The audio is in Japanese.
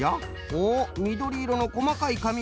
おっみどりいろのこまかいかみで。